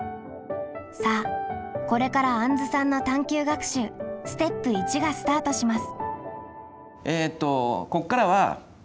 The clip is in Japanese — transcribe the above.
さあこれからあんずさんの探究学習ステップ①がスタートします。